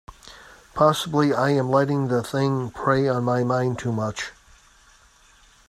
Possibly I am letting the thing prey on my mind too much.